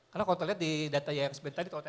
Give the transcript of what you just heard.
karena kalau kita lihat di data yang sebelumnya tadi